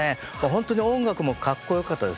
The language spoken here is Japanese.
ホントに音楽もかっこよかったですし